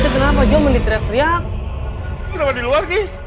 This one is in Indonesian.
kenapa di luar kis